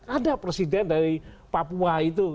ada presiden dari papua itu